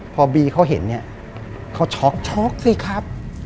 พอบีเขาเห็นเนี่ยเขาช็อกช็อกสิครับ